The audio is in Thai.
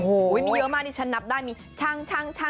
โอ้โหมีเยอะมากที่ฉันนับได้มีช่าง